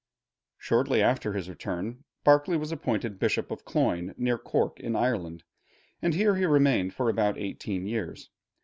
Shortly after his return, Berkeley was appointed Bishop of Cloyne, near Cork in Ireland, and here he remained for about eighteen years.